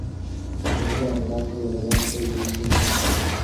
Destaca en el campo de la venta de discos vírgenes.